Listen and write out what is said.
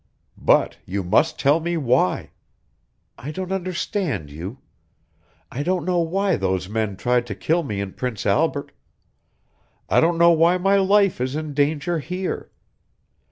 "But you must tell me why. I don't understand you. I don't know why those men tried to kill me in Prince Albert. I don't know why my life is in danger here.